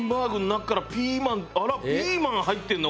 あらピーマン入ってるの？